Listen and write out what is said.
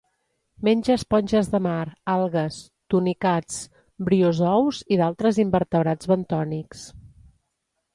Menja esponges de mar, algues, tunicats, briozous i d'altres invertebrats bentònics.